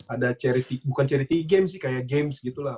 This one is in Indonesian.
ada charity bukan charity game sih kayak games gitu lah